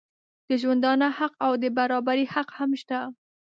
د ژوندانه حق او د برابري حق هم شته.